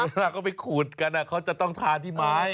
เวลาเขาไปขูดกันเขาจะต้องทานที่ไม้